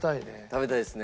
食べたいですね。